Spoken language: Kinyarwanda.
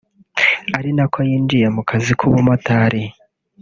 ari na ko yinjiye mu kazi k’ubumotari